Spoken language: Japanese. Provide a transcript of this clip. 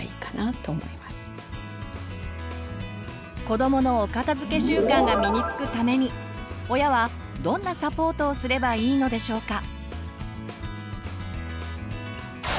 子どものお片づけ習慣が身につくために親はどんなサポートをすればいいのでしょうか。